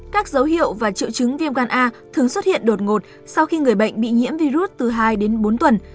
các dấu hiệu và triệu chứng viêm gan a thường xuất hiện đột ngột sau khi người bệnh bị nhiễm virus từ hai đến bốn tuần